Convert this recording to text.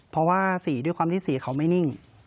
เพราะว่าสีด้วยความที่สีเขาไม่นิ่ง